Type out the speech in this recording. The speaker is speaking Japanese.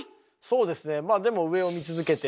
そうですねまあでもフゥ！